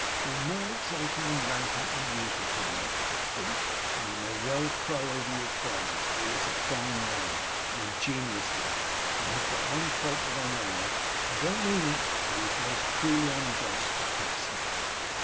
You're more exulting and rampant than usual tonight, I think; and you may well crow over your prize; for he is a fine lad, an ingenuous lad, and has but one fault that I know of; he don't mean it, but he is most cruelly unjust to Pecksniff!